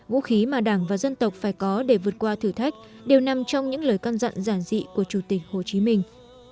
vũ khí mà đảng và dân tộc phải có để vượt qua thử thách đều nằm trong những lời can dặn giản dị của chủ tịch hồ chí minh